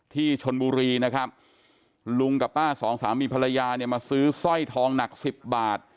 ที่ชนบุรีนะครับลุงกับป้าสองสามีภรรยาเนี่ยมาซื้อสร้อยทองหนักสิบบาท